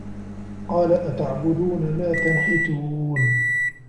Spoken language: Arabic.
قالَ أَتَعبُدونَ ما تَنحِتونَ